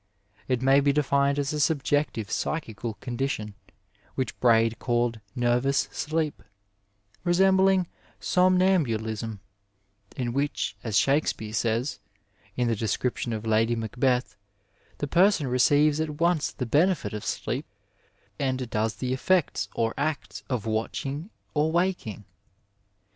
It may be defined as a subjective psychical condition, which Braid called nervous sleep, resembling sonmambulism, in which, as Shakespeare says, in the description of Lady Macbeth, the person receives at once the benefit of sleep and does the effects or acts of watching or waking.